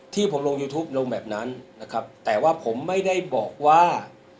ที่ผมลงยูทูปลงแบบนั้นนะครับแต่ว่าผมไม่ได้บอกว่า